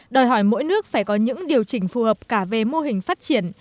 đòi hỏi mỗi nước phải có những điều chỉnh phù hợp cả về mô hình phát triển